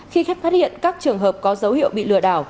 khi khách phát hiện các trường hợp có dấu hiệu bị lừa đảo